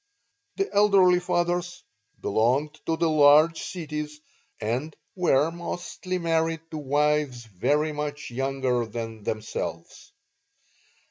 The elderly fathers belonged to the large cities, and were mostly married to wives very much younger than themselves.